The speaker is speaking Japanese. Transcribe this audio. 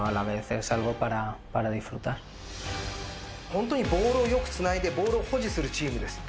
ホントにボールをよくつないでボールを保持するチームです。